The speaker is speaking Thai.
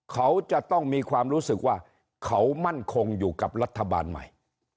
เขาจะต้องมีความรู้สึกว่าเขามั่นคงอยู่กับรัฐบาลใหม่